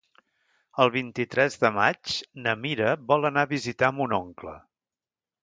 El vint-i-tres de maig na Mira vol anar a visitar mon oncle.